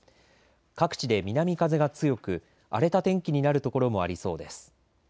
各地で南風が強く荒れた天気になる所もありそうです。